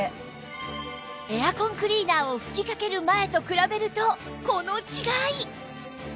エアコンクリーナーを吹きかける前と比べるとこの違い！